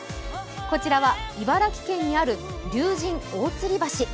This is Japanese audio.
こちらは茨城県にある竜神大吊橋。